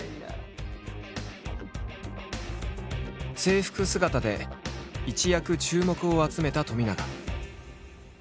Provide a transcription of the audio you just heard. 制服姿で一躍注目を集めた冨永。